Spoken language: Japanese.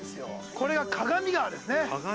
これが鏡川です。